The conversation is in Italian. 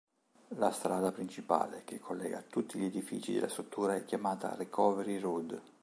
La strada principale che collega tutti gli edifici della struttura è chiamata "Recovery Road".